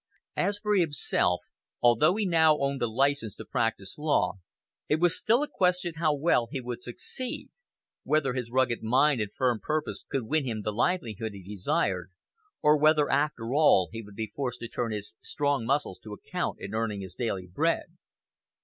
As for himself, although he now owned a license to practise law, it was still a question how well he would succeed whether his rugged mind and firm purpose could win him the livelihood he desired, or whether, after all, he would be forced to turn his strong muscles to account in earning his daily bread.